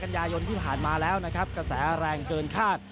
กันยายนที่ผ่านมาแล้วนะครับกระแสแรงเกินคาด